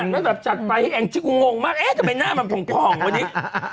แล้วแบบจัดไปให้แองจี้กูงงมากเอ๊ะทำไมหน้ามันผ่องวันนี้